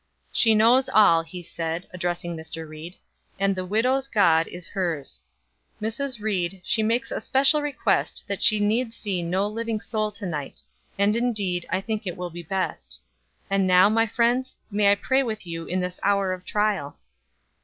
"She knows all," he said, addressing Mr. Ried. "And the widow's God is hers. Mrs. Ried, she makes special request that she need see no living soul to night; and, indeed, I think it will be best. And now, my friends, may I pray with you in this hour of trial."